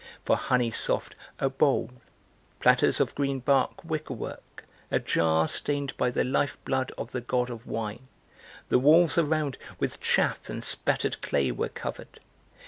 For honey soft, a bowl; Platters of green bark wickerwork, a jar Stained by the lifeblood of the God of Wine; The walls around with chaff and spattered clay Were covered.